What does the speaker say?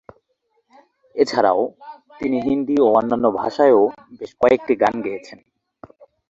এছাড়াও তিনি হিন্দি ও অন্যান্য ভাষায়ও বেশ কয়েকটি গান গেয়েছেন।